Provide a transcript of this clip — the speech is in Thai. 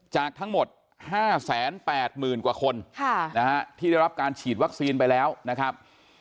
จากทั้งหมด๕๘๐๐๐กว่าคนที่ได้รับการฉีดวัคซีนไปแล้วนะครับ